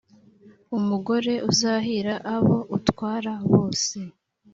Umugore uzahira abo utwara bose